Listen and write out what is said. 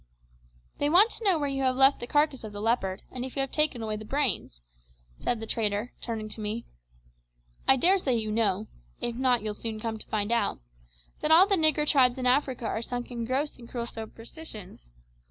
"They want to know where you have left the carcass of the leopard, and if you have taken away the brains," said the trader, turning to me. "I daresay you know if not you'll soon come to find out that all the nigger tribes in Africa are sunk in gross and cruel superstitions.